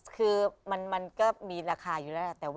คือมันก็มีราคาอยู่แล้ว